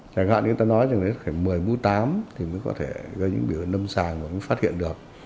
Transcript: chẳng hạn như ta nói chẳng hạn một mươi mu tám thì mới có thể gây những biểu hiện âm sàng và mới phát hiện được